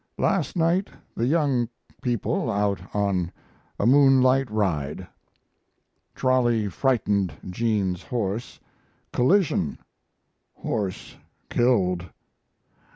Last night the young people out on a moonlight ride. Trolley frightened Jean's horse collision horse killed.